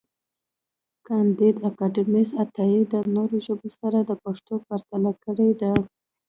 کانديد اکاډميسن عطایي د نورو ژبو سره د پښتو پرتله کړې ده.